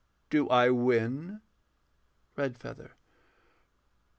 Do I win? REDFEATHER.